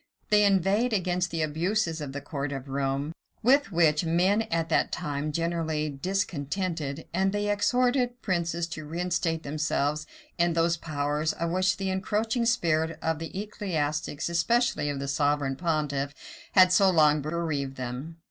They inveighed against the abuses of the court of Rome, with which men were at that time generally discontented; and they exhorted princes to reinstate themselves in those powers, of which the encroaching spirit of the ecclesiastics, especially of the sovereign pontiff, had so long bereaved them.